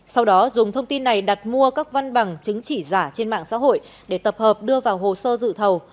sau đó dùng thông tin này đặt mua các văn bằng chứng chỉ giả trên mạng xã hội để tập hợp đưa vào hồ sơ dự thầu